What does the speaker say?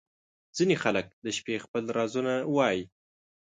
• ځینې خلک د شپې خپل رازونه وایې.